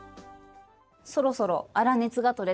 そろそろ粗熱が取れたかな。